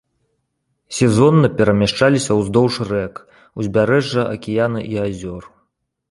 Сезонна перамяшчаліся ўздоўж рэк, узбярэжжа акіяна і азёр.